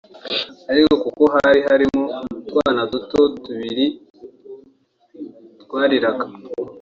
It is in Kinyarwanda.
ariko kuko hari harimo utwana duto tubiri twariraga